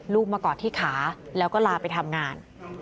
ลูกมากอดที่ขาแล้วก็ลาไปทำงาน